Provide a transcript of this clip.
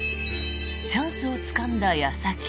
チャンスをつかんだ矢先。